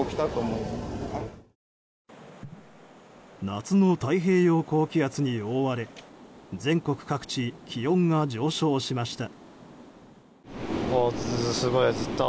夏の太平洋高気圧に覆われ全国各地、気温が上昇しました。